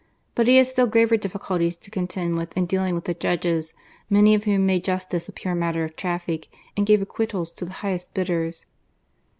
But he had still graver difficulties to contend with in dealing with the judges, many of whom made justice a pure matter of traffic, and gave acquittals to the highest bidders.